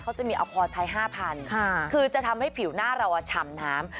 เขาจะมีอัลควอร์ไชล์๕๐๐๐คือจะทำให้ผิวหน้าเราชำน้ำ